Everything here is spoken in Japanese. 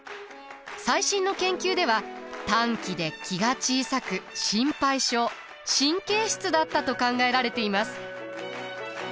最新の研究では短気で気が小さく心配性神経質だったと考えられています。